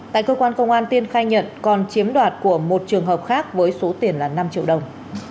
tại cơ quan công an tiên khai nhận còn chiếm đoạt của một trường hợp khác với số tiền là năm triệu đồng